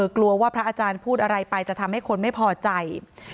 กลัวว่าพระอาจารย์พูดอะไรไปจะทำให้คนไม่พอใจ